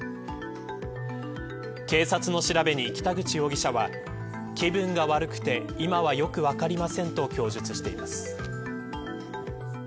警察の調べに北口容疑者は気分が悪くて今はよく分かりませんと供述しています。